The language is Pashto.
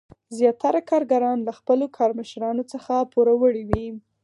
زیاتره کارګران له خپلو کارمشرانو څخه پوروړي وو.